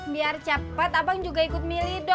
biar cepat abang ikut milih